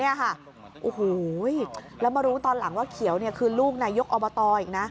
โอ้โหแล้วมารู้ตอนหลังว่าเขียวคือลูกนายกอบตอีกนะ